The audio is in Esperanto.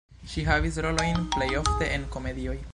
Ŝi havis rolojn plej ofte en komedioj.